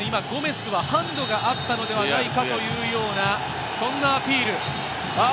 ゴメスはハンドがあったのではないかというような、そんなアピール。